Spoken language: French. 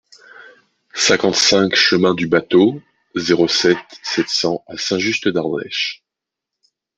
cinquante-cinq chemin du Bâteau, zéro sept, sept cents à Saint-Just-d'Ardèche